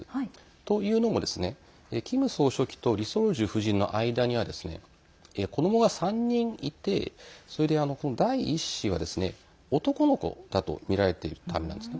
というのもキム総書記とリ・ソルジュ夫人の間には子どもが３人いてそれで第１子は男の子だとみられているためなんです。